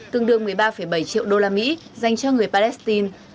tương đương một mươi ba bảy triệu đô la mỹ dành cho người palestine